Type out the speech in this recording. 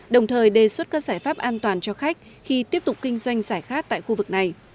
đồng thời đề xuất các giải pháp an toàn cho khách khi tiếp tục kinh doanh giải khát tại khu vực này